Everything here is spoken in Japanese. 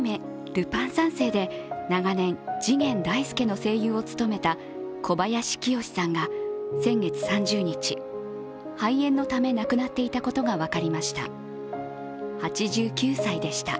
「ルパン三世」で長年次元大介の声優を務めた小林清志さんが先月３０日、肺炎のため亡くなっていたことが分かりました。